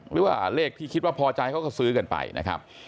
หรือว่าเลขที่คิดว่าพอใจเขาก็ซื้อกันไปนะครับ